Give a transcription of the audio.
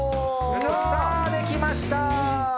さぁできました！